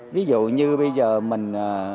ví dụ như bây giờ mình